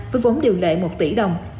với vốn điều lệ một tỷ đồng